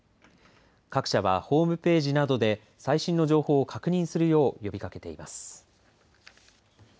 各社はホームページなどで最新の情報を確認するよう呼びかけています。